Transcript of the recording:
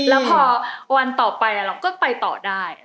แล้วพอวันต่อไปเราก็ไปต่อได้